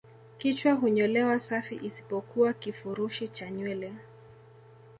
Kichwa hunyolewa safi isipokuwa kifurushi cha nywele